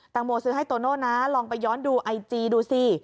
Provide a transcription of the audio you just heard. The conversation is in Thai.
โมซื้อให้โตโน่นะลองไปย้อนดูไอจีดูสิ